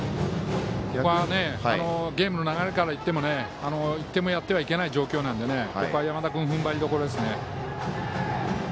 ゲームの流れからいっても１点もやってはいけない状況なので、ここは山田君ふんばりどころですね。